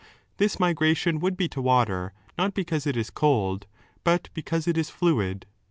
This migration would be to water not because it is cold, but because it ijis fluid.